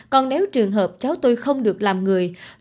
còn nếu trường hợp cháu tôi không được làm bệnh tôi sẽ không thể làm bệnh